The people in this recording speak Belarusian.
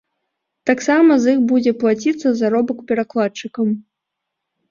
Таксама з іх будзе плаціцца заробак перакладчыкам.